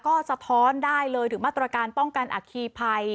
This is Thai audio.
ก็สะท้อนได้เลยถึงมาตรการป้องกันอัคคีภัย